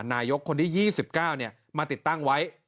นายกคนที่๒๙มาติดตั้งไว้